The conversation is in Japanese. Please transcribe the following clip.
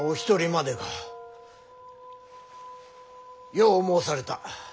よう申された。